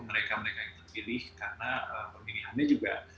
mereka mereka yang terpilih karena pemilihannya juga